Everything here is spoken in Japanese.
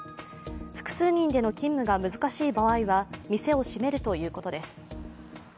複数人での勤務が難しい場合は店を閉めるということです。